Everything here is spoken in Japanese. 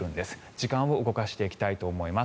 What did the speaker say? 時間を動かしていきたいと思います。